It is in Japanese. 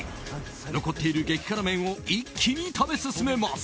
残っている激辛麺を一気に食べ進めます。